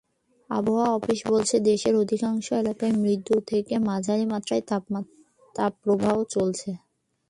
আবহাওয়া অফিস বলেছে, দেশের অধিকাংশ এলাকায় মৃদু থেকে মাঝারি মাত্রার তাপপ্রবাহ চলছে।